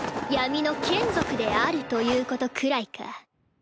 闇の眷属であるということくらいか。